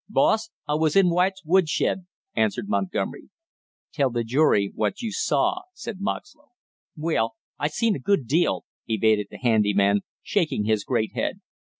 "Boss, I was in White's woodshed," answered Montgomery. "Tell the jury what you saw," said Moxlow. "Well, I seen a good deal," evaded the handy man, shaking his great head.